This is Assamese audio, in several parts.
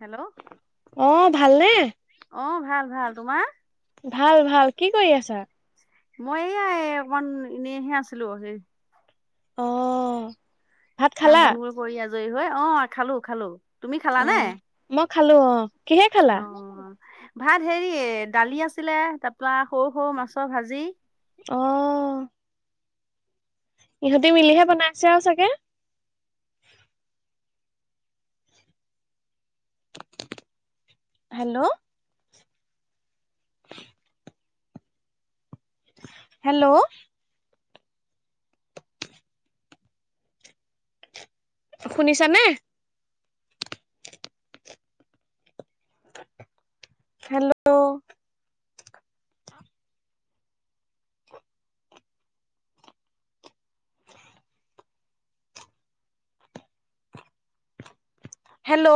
হেল্ল অঁ ভালনে? অঁ, ভাল ভাল তোমাৰ? ভাল ভাল, কি কৰি আছা? মই এয়া অকমান এনেইহে আছিলো, সেই অ ভাত খালা কাম বনবোৰ কৰি আজৰি হৈ, অঁ খালো খালো। তুমি খালা অ নে, মই খালো অ কিহে খালা অঁ। ভাত হেৰি দালি আছিলে তাৰ পৰা সৰু সৰু মাছৰ ভাজি। অ'। ইহঁতি মিলিহে বনাইছে আৰু চাগে? হেল্ল'। [inaudible] হেল্ল'। শুনিছানে? [inaudible] হেল্ল'। হেল্ল'।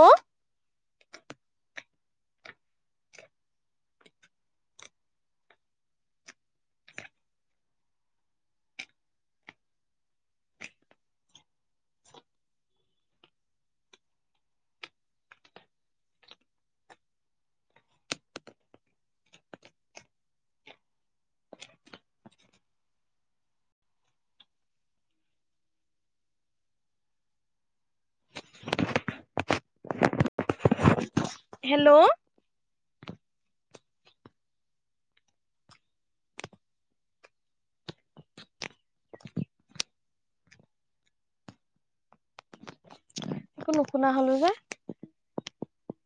হেল্ল'। একো নুশুনা হ'লো যে।